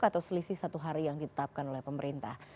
atau selisih satu hari yang ditetapkan oleh pemerintah